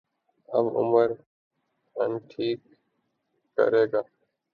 آب عمر انٹهیک کرے گا